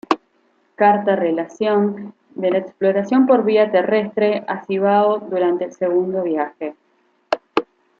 Carta-relación de la exploración por vía terrestre a Cibao durante el Segundo Viaje.